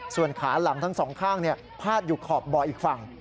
ส่วนขาหลังทั้งสองข้างพาดอยู่ขอบบ่ออีกฝั่ง